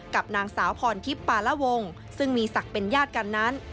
กับนางสาวพรทิพย์ปาละวงซึ่งมีศักดิ์เป็นญาติกันนั้น